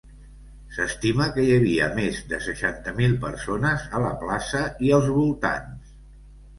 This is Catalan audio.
S'estima que hi havia més de seixanta mil persones a la plaça i els voltants.